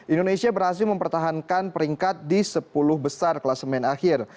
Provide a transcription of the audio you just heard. indonesia berhasil mempertahankan peringkat di sepuluh besar klasemen akhir